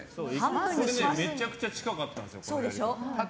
それめちゃくちゃ近かったんですよ。